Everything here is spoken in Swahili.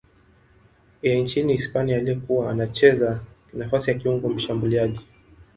ya nchini Hispania aliyekuwa anacheza nafasi ya kiungo mshambuliaji.